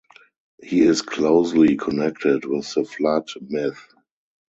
He is closely connected with the Flood myth.